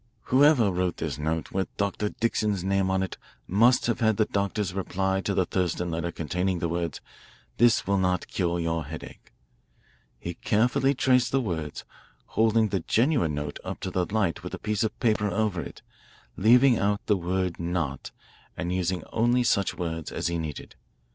Whoever wrote this note with Dr. Dixon's name on it must have had the doctor's reply to the Thurston letter containing the words, 'This will not cure your headache.' He carefully traced the words, holding the genuine note up to the light with a piece of paper over it, leaving out the word 'not' and using only such words as he needed.